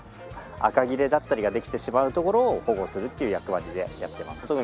あかぎれだったりができてしまうところを保護するっていう役割でやってます。